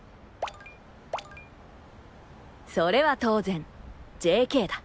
［それは当然ＪＫだ］